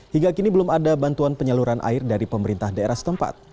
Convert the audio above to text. hingga kini belum ada bantuan penyaluran air dari pemerintah daerah setempat